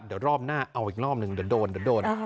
เดี๋ยวรอบหน้าเอาอีกรอบหนึ่งเดี๋ยวโดนเดี๋ยวโดน